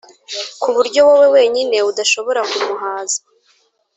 ku buryo wowe wenyine udashobora kumuhaza;